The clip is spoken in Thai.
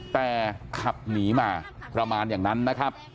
แต่ขับหนีมาประมาณอย่างนั้นนะครับ